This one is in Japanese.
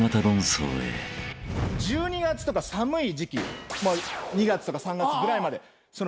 １２月とか寒い時季２月とか３月ぐらいまで。